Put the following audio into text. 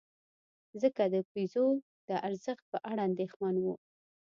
خلک د پیزو د ارزښت په اړه اندېښمن وو.